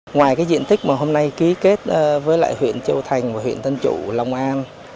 ngoài cái diện tích mà hôm nay ký kết với lại huyện châu thành và huyện tân trụ long an